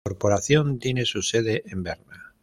La corporación tiene su sede en Berna.